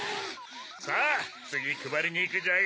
さぁつぎくばりにいくジャガ。